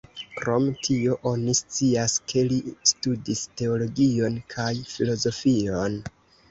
Krom tio, oni scias ke li studis teologion kaj filozofion.